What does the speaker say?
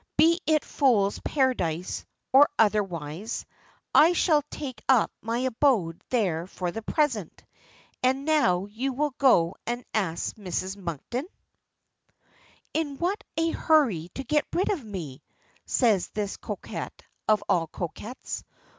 "Be it a Fool's Paradise or otherwise, I shall take up my abode there for the present. And now you will go and ask Mrs. Monkton?" "In what a hurry to get rid of me!" says this coquette of all coquettes.